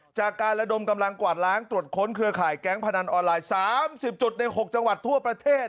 จากการระดมกำลังกวาดล้างตรวจค้นเครือข่ายแก๊งพนันออนไลน์๓๐จุดใน๖จังหวัดทั่วประเทศ